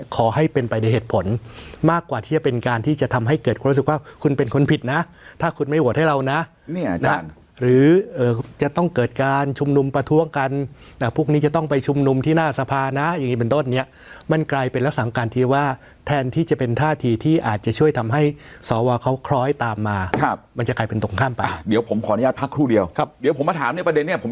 ขอให้เป็นไปในเหตุผลมากกว่าที่จะเป็นการที่จะทำให้เกิดความรู้สึกว่าคุณเป็นคนผิดนะถ้าคุณไม่หวัดให้เรานะหรือจะต้องเกิดการชุมนุมประท้วงกันพวกนี้จะต้องไปชุมนุมที่หน้าสภานะอย่างนี้เป็นต้นเนี่ยมันกลายเป็นลักษณะการทีว่าแทนที่จะเป็นท่าทีที่อาจจะช่วยทำให้สอวอเขาคล้อยตามมามันจะกลายเป็นตรง